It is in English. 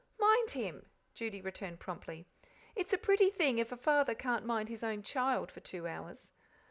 "Mind him," Judy returned promptly. "It's a pretty thing if a father can't mind his own child for two hours.